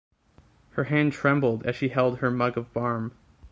Her hand trembled as she held her mug of barm.